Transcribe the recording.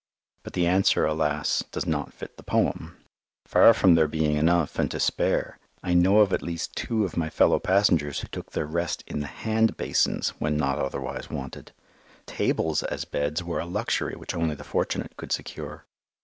But the answer, alas, does not fit the poem. Far from there being enough and to spare, I know of two at least of my fellow passengers who took their rest in the hand basins when not otherwise wanted. Tables as beds were a luxury which only the fortunate could secure.